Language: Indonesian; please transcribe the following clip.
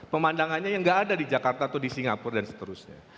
pemandangannya yang nggak ada di jakarta atau di singapura dan seterusnya